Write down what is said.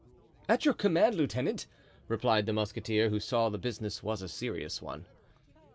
"At your command, lieutenant," replied the musketeer, who saw the business was a serious one.